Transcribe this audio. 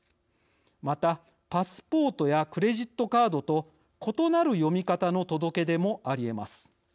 また、パスポートやクレジットカードと異なる読み方の届け出もありえます。